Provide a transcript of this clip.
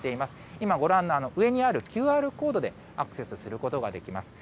今ご覧の上にあるＱＲコードでアクセスすることができます。